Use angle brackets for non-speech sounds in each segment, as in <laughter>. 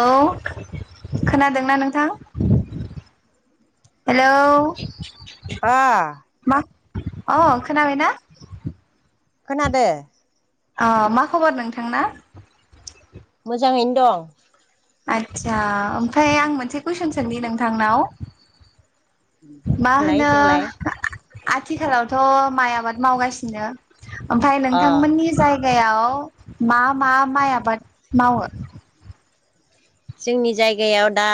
औ खोनादोंना नोंथां? हेलौ आ अह खोनाबायना? खोनादों। अह मा खबर नोंथांना? मोजाङैनो दं आदसा ओमफ्राय आं मोनसे कुइसन सोंनि नोंथांनाव मा देलाय होनो जोंलाय आ थिखालावथ' माइ आबाद मावगासिनो ओमफ्राय अ नोंथांमोननि जाय गायाव मा मा माइ आबाद मावो? जोंनि जायगायाव दा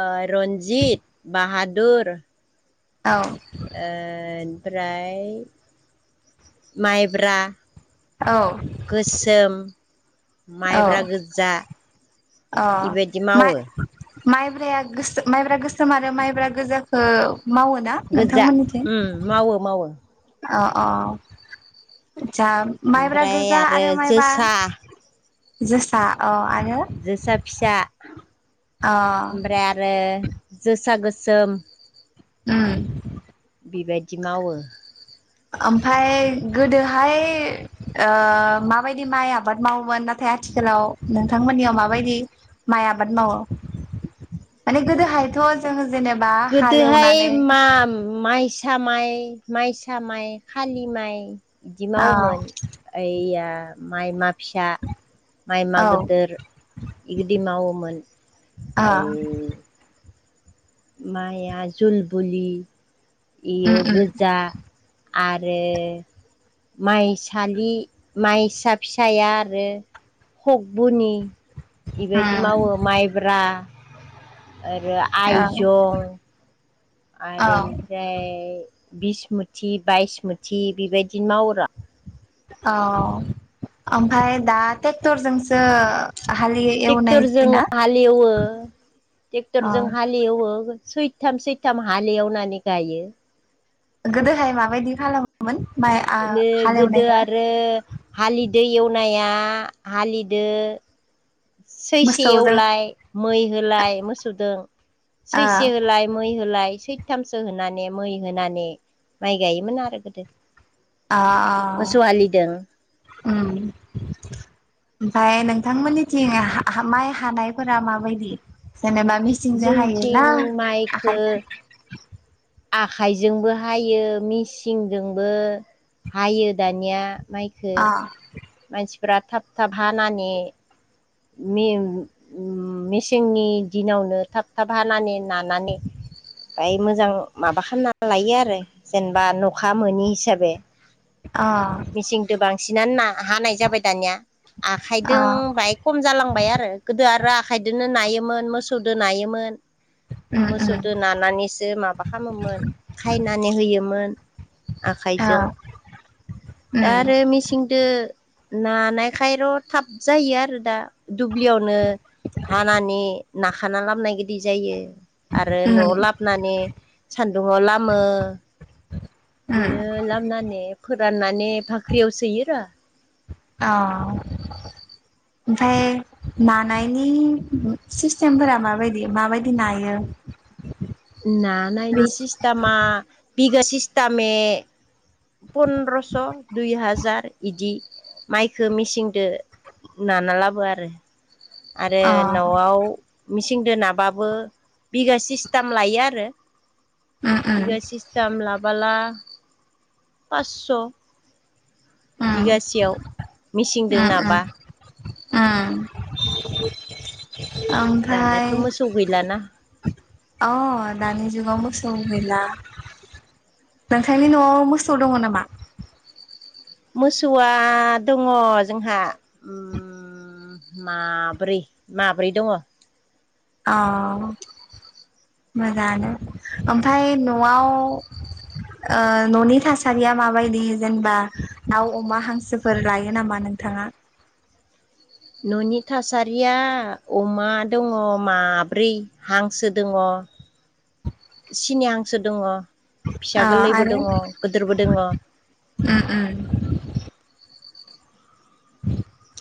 ओ रन्जित, बाहादुर, औ ओ ओमफ्राय माइब्रा, औ गोसोम औ माइब्रा गोजा, अ बेबायदि मा मावो। माइब्राया गोस माइब्रा गोसोम आरो माइब्रा गोजाखौ मावोना गोजा उम मावो मावो। अह अह जा माइब्रा ओमफ्राय गोजा आरो माइबा जोसा जोसा औ आरो जोसा फिसा, अ ओमफ्राय आरो जोसा गोसोम, उम बेबायदि मावो। ओमफ्राय गोदोहाय ओह माबायदि माइ आबाद मावोमोन नाथाय आथिखालाव नोंथांमोननियाव माबायदि माइ आबाद मावो माने गोदोहायथ' जोंङो गोदोहाय मा माइस फिसा माइ माइसा माइ खालि माइ बिदि औ मावोमोन ओयैया माइ मा फिसा माइमा औ गोदोर बिबायदि मावोमोन ओ ओमफाय माया जलबुलि उम इयो उम गोजा आरो माइसालि माइसा फिसाया आरो खकबुनि बेबायदि उम मावो माइब्रा आरो औ आइजं आरो औ इनिफ्राय बिस मुथि, बाइस मुथि बेबायदिनो मावर औ ओमफ्राय दा ट्रेक्टरजोंसो हाल एवनाय ट्रेक्टर जों जायोना हालेवो ट्रेक्टर अ जों हालेवो सै सथाम सैथाम हालेवनानै गायो गोदोहाय माबायदि खालामोमोन? माइ आ बे गोदो हालेवनायखौ आरो हालि दै एवनाया हालिदो सैसे मोसौजों एवलाय मै होलाय मोसौदों ओ सैसे होलाय मै होलाय सैथामसो होनानै मै होनानै माइ गायोमोन आरो गोदो। आ अह। मोसौ हालिदों ओम ओमफ्राय नों बिथांमोननि थिं हा हा माइ हा हानायफोरा माबायदि? जेनेबा मिसिंजों हाय जोंथिं ना माइखो आखाइजों?? आखाइजोंबो हायो मिसिंजोंबो हायो दानिया माइखो अ मानसि बिराद थाब थाब हानानै, मे मेसेंनि दिनावनो थाब थाब हानानै नानानै बाय मोजां माबा खालामना लायो आरो जेनेबा अखा मोनि हिसाबै अ मिसिंदो बां थिनानै ना हानाय जाबाय दानिया आखाइदों अ बाइक लांबाय आरो गोदो आरो आखाइदोनो नो नायोमोन मोसौदो नायोमोन। उम मोसौदो उम नानानैसो माबा खालामोमोन खायनानै होयोमोन अ आखाइजों दा उम आरो मेसिंदो नानायखायर' थाब जायो आरो दा दुब्लियावनो हानानै नाखाना लाबनाय गोदि जायो आरो न'आव उम लाबनानै सान्दुंआव लामो उम बिदिनो लाबोनानै फोराननाय- ने फाख्रियाव सोयोरा। अह ओमफ्राय नानायनि ओम सिस्टेमफोरा माबायदि माबायदि नायो- नानायनि प्लिस सिस्टामा- बिगा सिस्तामे- पन्द्रस' दुइ हाजार इदि- माइखो मिसिंदो नाना लाबो आरो- आरो अ न'आव- मिसिंदो नाबाबो बिगा सिस्थाम लायो आरो- उम उम बिगा सिस्टेम लाबोला- पासस' उम बिगासेयाव मिसिंदो नाबा ओम। दानियाथ' मोसौ गैलाना अह दानि जुगाव मोसौ गैला नोंथांनि न'आव मोसौ दङ' नामा? मोसौआ दङ' जोंहा ओम माब्रै माब्रै दङ। अह मोजांआनो ओमफ्राय न'आव ओ न'नि थासारिया माबायदि जेनेबा दाउ अमा हांसोफोर लायो नामा नोंथाङा न'नि थासारिया अमा दङ' माब्रै हांसो दङ' सिनि हांसो दङ'। फिसा अह गोरलैबो आरो दङ ओम गोदोरबो दङ ओम।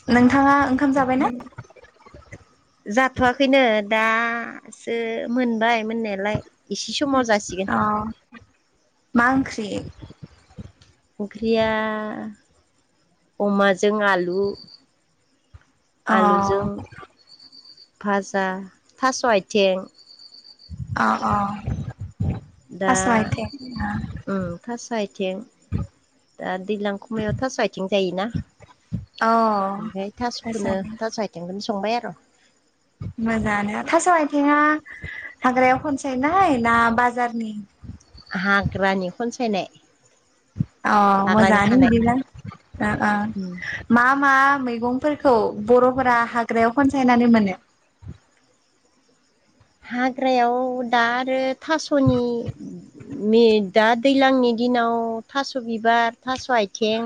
नों जाथ'वाखैनो दासो मोनबाय मोननायालाय एसे समाव जासिगोन अह मा ओंख्रि? ओंख्रिया अमाजों आलु। अ आलुजों भाजा थास' आइथें अ अ दा थास' आइथें ओ थास' आथिं दा दैज्लां खमायाव थास' आथिं जायोना अ ओमफ्राय थास' थास'खौनो थास' आइथिंखौनो संबाय आरो मोजांनो थास' आइथिंया हाग्रायाव खनसायनाय ना बाजारनि हाग्रानि खनसायनाय अ हाग्रानि मोजाङानो खानाय बिदिब्ला ओ ओ उम मा मा मैगं फोरखौ बर'फोरा हाग्रायाव खनसायनानै मोनो हाग्रायाव दा आरो थास'नि मे दा दैज्लांनि दिनाव थास' बिबार थास' आथिं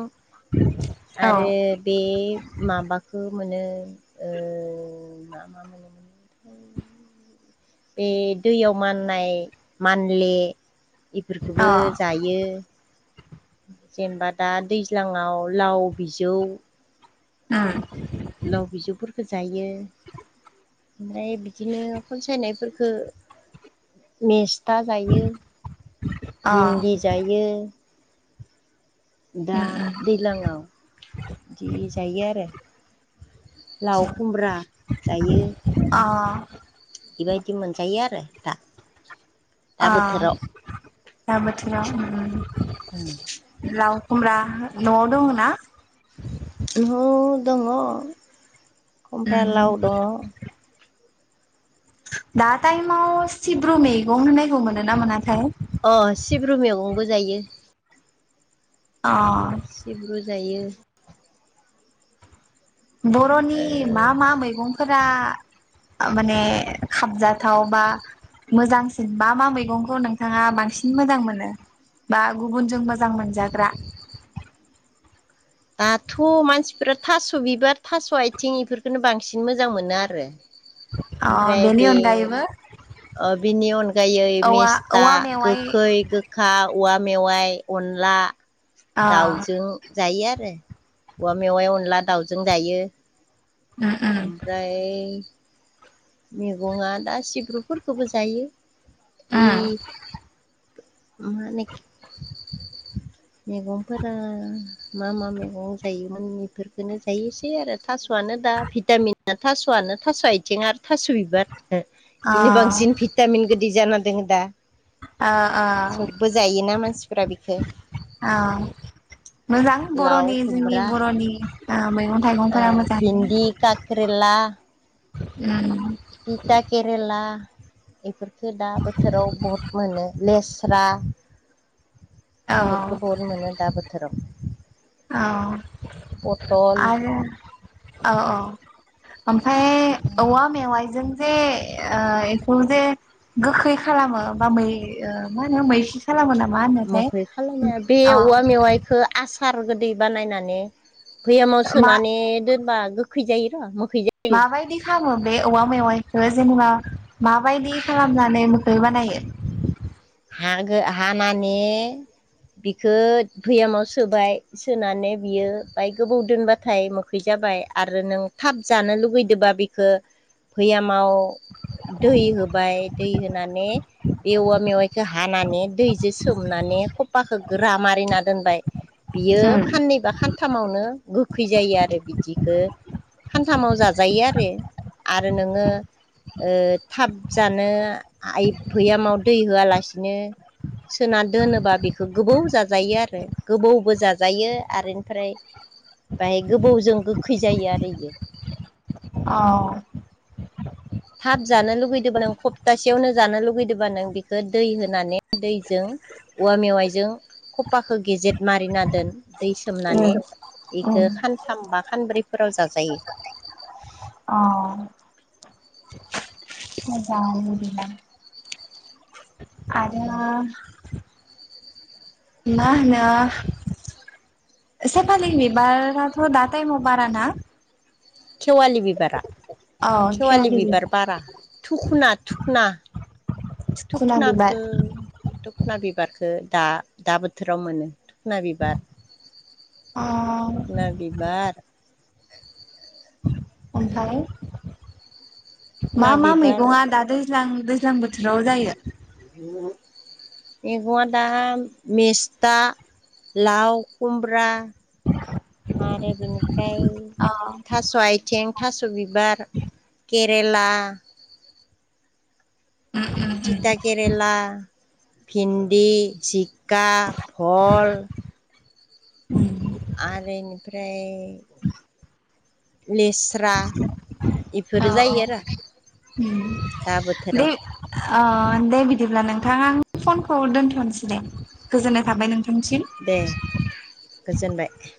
औ अ आरो बे माबाखौ मोनो ओ मा मा मोनो बे दैयाव माननाय मानले अ इफोरखौबो जायो। जेनेबा दा दैज्लाङाव लाव बिजौ ओ लाव बिजौफोरफोरखौ जायो ओमफ्राय बिदिनो खनसायनायफोररखौ मेस था जायो भिन्दि जायो। दा दैज्लाङाव बिदि जायो आरो लाव खुमब्रा जायो अ <unintelligible> बेबायदि मोनजायो आरो दा दा आ बोथोराव दा बोथोराव <unintelligible> लाव खुमब्रा न'आव दङना नवाव दङ खमफ्रा लाव दङ दा टाइमाव सिब्रु मैगं होनायखौ मोनो ना मोनाथाय अ सिब्रु मैगंबो जायो। अ सिब्रु जायो। बर'नि मा ओ मा मैगं फोरा माने खाबजाथाव बा मोजांसिन मा मा मैगंखौ नोंथाङा बांसिन मोजां मोनो बा गुबुनजों मोजां मोनजाग्रा दाथ' मानसिफ्रा थास' बिबार थास' आथिं बेफोरखौनो बांसिन मोजां मोनो आरो अ ओमफ्राय बेनि बे अनगायैबो ओ बिनि अनगायै औवा मेस्था औवा मेवाइ गोखै गोखा औवा मेवाइ अनला अ दाउजों जायो आरो। औवा मेवाइ अनला दाउजों जायो। उम उम ओमफ्राय मेगङा दा सिब्रुफोरखौबो जायो। ए उम मा नेक मेगंफोरा मा मा मेगं जायोमोन एफोरखोनो जायोसै आरो थास' स'आनो दा भिटामिना थास' स'आनो थास' आथिं आर थास' बिबार ओ अ बेनो बांसिन भिटामिन गोद बि जाना दोङो दा। आ आ सबबो जायोना मानसिफोरा बेखौ औ मोजां लाव बर'नि जोंनि खुमब्रा बर'नि दा मैगं ओ थाइगंफोरा मोजाङानो। थिथा केरला एफोर खो दा बोथोराव बहथ मोनो लेस स्रा औ बेफोरखौ बहुद मोनो दा बोथोराव। औ पटल आरो औ औ ओमफाय औवा मेवाइजों जे ओ एखौ जे गोखै खालामो बा मै ओ मा होनो मैखि खालामो ना मा होनोथाय मोखै खालामनाया बे अ औवा मेवाइखो आसार फोर गोदै बानायनानै बैयामाव मा सोनानै दोनबा गोख खै जायो र' मोख मा बायदि खामो बे औवा मेवाइ खो जेनबा मा बायदि खालामनानै मोख खो बानायो। आगो हानानि बिखो बैयामाव सोबाय, सोनानै बियो बाय गोबौ दोनबाथाय मोखै जाबाय। आरो नों थाब जानो लुगैदोबा बिखो बैयामाव दै होबाय दै होनानै बे औवा मेवाइ खो हानानै दैजो सोमनानै खफाखो गोरा मारिना दोनबाय। बियो उम खाननै बा खानथामावनो गोखै जायो आरो बिदिखो खानथामाव जाजायो आरो आरो नोङो ओ थाब जानो आइ भैयामाव दै होआलासे नो सोना दोनोबा बेखौ गोबौ जाजायो आरो गोबौबो जाजायो आरो इनिफ्राय बाय गोबौजों गोखै जायो आरो इयो औ थाब जानो लुुबैदोबा नों खप्तासेयावनो जानो लुगैदोबा नों बिखै दै होनानै दैजों औवा मेवाइजों खपाखो गेजेद मारिना दोन दै उम सोमनानै उम बेखो खानथाम बा खानब्रैफोराव जाग- जायो औ मोजां बिदिब्ला आरो मा होनो सेफालि बिबाराथ दा टाइमाव बारा ना खेवालि बिबारा खेवालि बिबार बारा थुखना थुखना सुखुना बिबार थुखना बिबारखौ दा दा बोथोराव मोनो थुखना बिबार अ थुखना बिबार ओमफ्राय मा थुखना मा बिबार मैगङा दादै दैज्लां दैज्लां बोथोराव जायो मैगंङा दा मेस्था लाव खुमब्रा आरो बेनि ओमफ्राय अ थास आइथिं थास बिबार केरेला उम थिता केरेला भिन्दि जिखा फल उम आरो इनिफ्राय लेस्रा औ बेफोरो औ जायो आरो ओम दा दे बोथोराव ओ दे बिदिब्ला नों थां आं फनखौ दोन्थनसै दे गोजोननाय थाबाय नोंथ दे थांसिम गोजोनबाय